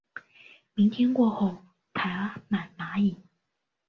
明天过后爬满蚂蚁